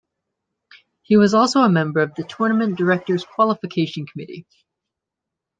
He was also a member of the Tournament Directors Qualification Committee.